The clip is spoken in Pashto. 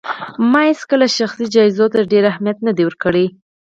ما هيڅکله شخصي جايزو ته ډېر اهمیت نه دی ورکړی